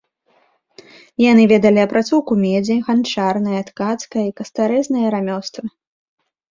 Яны ведалі апрацоўку медзі, ганчарнае, ткацкае і кастарэзнае рамёствы.